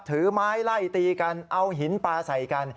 ถือไม้ไล่ตีกันเอาหินปลาใส่กัน